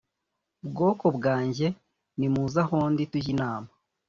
Bwoko bwanjye nimuze ahondi tujye inama